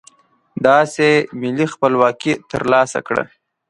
داسې ملي خپلواکي ترلاسه کړه.